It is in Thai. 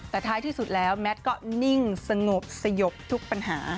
แต่ท้ายที่สุดแล้วแมทก็นิ่งสงบสยบทุกปัญหา